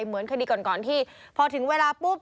เหมือนคดีก่อนที่พอถึงเวลาปุ๊บ